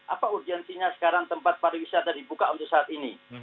apa urgensinya sekarang tempat pariwisata dibuka untuk saat ini